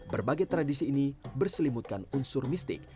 berbagai tradisi ini berselimutkan unsur mistik